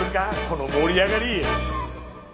この盛り上がり！